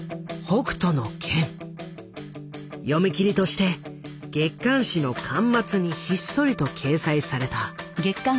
読み切りとして月刊誌の巻末にひっそりと掲載された。